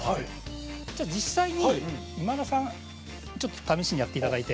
じゃあ実際に今田さんちょっと試しにやっていただいて。